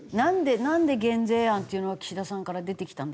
なんで減税案っていうのは岸田さんから出てきたんですか？